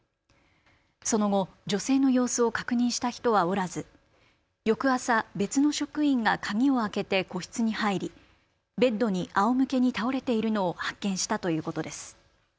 その後、女性の様子を確認した人はおらず翌朝、別の職員が鍵を開けて個室に入りベッドにあおむけに倒れているのを発見したということです。